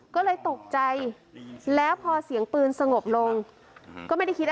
ก็เลยตกใจแล้วพอเสียงปืนสงบลงก็ไม่ได้คิดอะไร